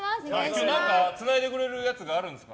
今日つないでくれるやつがあるんですか？